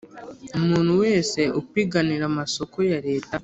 umuntu wese upiganira amasoko ya Leta